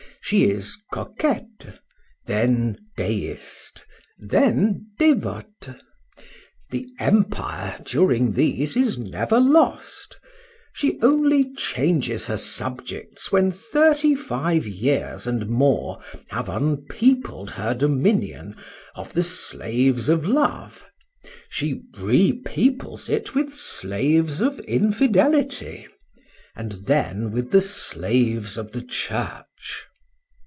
—She is coquette,—then deist,—then dévote: the empire during these is never lost,—she only changes her subjects when thirty five years and more have unpeopled her dominion of the slaves of love, she re peoples it with slaves of infidelity,—and then with the slaves of the church.